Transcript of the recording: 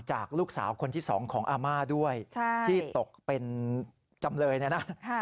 จากลูกสาวคนที่๒ของอาม่าด้วยที่ตกเป็นจำเลยเนี่ยนะ